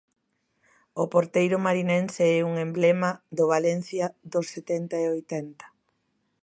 O porteiro marinense é un emblema do Valencia dos setenta e oitenta.